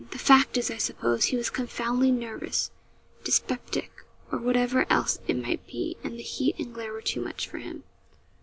The fact is, I suppose, he was confoundedly nervous, dyspeptic, or whatever else it might be, and the heat and glare were too much for him.